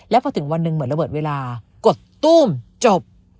แล้วพอถึงวันหนึ่งเหมือนระเบิดเวลากดตู้มจบ